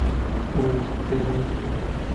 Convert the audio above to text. تو ڪٿي ائي؟